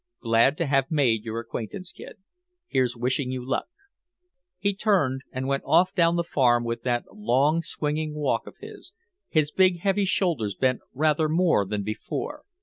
Glad to have made your acquaintance, Kid. Here's wishing you luck." He turned and went off down the Farm with that long swinging walk of his, his big heavy shoulders bent rather more than before.